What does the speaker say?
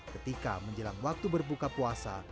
ketika menjelang waktu berbuka puasa